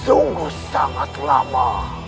sungguh sangat lama